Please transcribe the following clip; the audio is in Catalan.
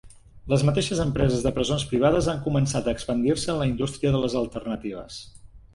Les mateixes empreses de presons privades han començat a expandir-se en la indústria de les "alternatives".